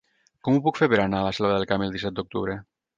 Com ho puc fer per anar a la Selva del Camp el disset d'octubre?